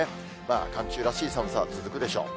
寒中らしい寒さ、続くでしょう。